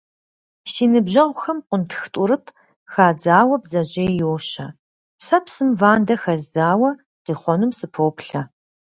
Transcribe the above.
Си ныбжьэгъухэм къунтх тӏурытӏ хадзауэ бдзэжьей йощэ, сэ псым вандэ хэздзауэ, къихъуэнум сыпоплъэ.